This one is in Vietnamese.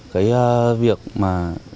cái việc mà